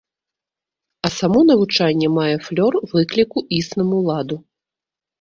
А само навучанне мае флёр выкліку існаму ладу.